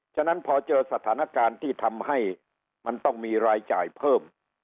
ฉะนั้นพอเจอสถานการณ์ที่ทำให้มันต้องมีรายจ่ายเพิ่ม